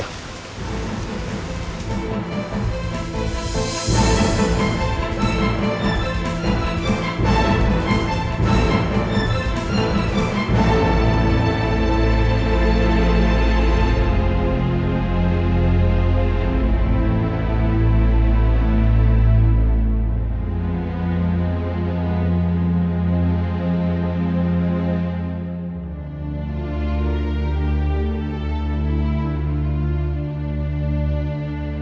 aku pergi dulu ya